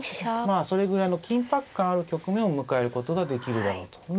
それぐらいの緊迫感ある局面を迎えることができるだろうと。